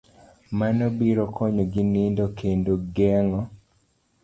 Mano biro konyogi nindo kendo geng'o